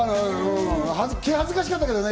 気恥ずかしかったけどね。